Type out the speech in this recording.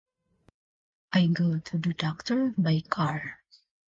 I go to the doctor by car.